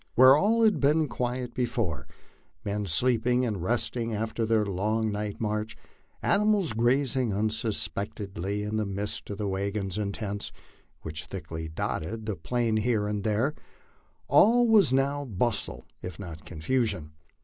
Where all had been quiet before men sleeping and resting after their long night march, animals grazing unsuspectingly in the midst of the wagons and tents which thickly dotted the Plain here and there all was now bustle if not confusion.